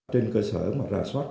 trên cơ sở mà ra soát